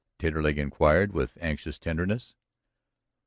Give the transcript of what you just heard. Taterleg inquired with anxious tenderness.